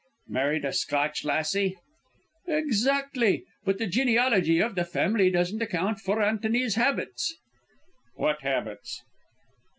"Married a Scotch lassie?" "Exactly. But the genealogy of the family doesn't account for Antony's habits." "What habits?"